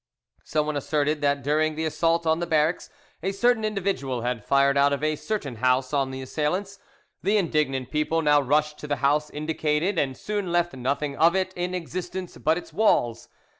Someone asserted that during the assault on the barracks a certain individual had fired out of a certain house on the assailants. The indignant people now rushed to the house indicated, and soon left nothing of it in existence but its walls.